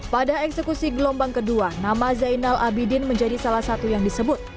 pada eksekusi gelombang kedua nama zainal abidin menjadi salah satu yang disebut